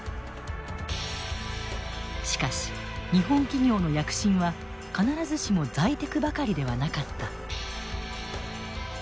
しかし日本企業の躍進は必ずしも財テクばかりではなかった。